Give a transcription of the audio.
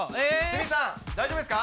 鷲見さん、大丈夫ですか？